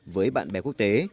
với bạn bè quốc tế